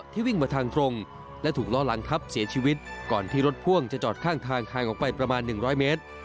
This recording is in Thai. วิ่งมาทางตรงและถูกล้อหลังทับเสียชีวิตก่อนที่รถพ่วงจะจอดข้างทางห่างออกไปประมาณ๑๐๐เมตร